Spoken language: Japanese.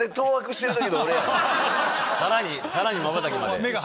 さらにまばたきまで。